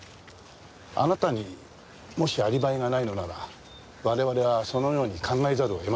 あなたにもしアリバイがないのなら我々はそのように考えざるを得ませんが。